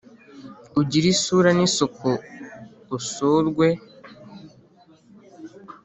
ugire isura n’isuku usurwe